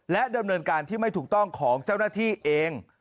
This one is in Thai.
ดำเนินการที่ไม่ถูกต้องของเจ้าหน้าที่เอง